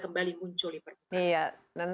kembali muncul di perjalanan